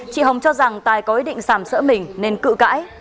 chị hồng cho rằng tài có ý định sàm sỡ mình nên cự cãi